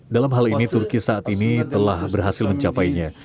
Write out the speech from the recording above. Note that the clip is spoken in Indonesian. dalam hal ini turki saat ini telah berhasil mencapainya